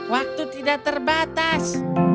waktu tidak terbatas